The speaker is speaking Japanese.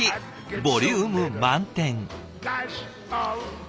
ボリューム満点。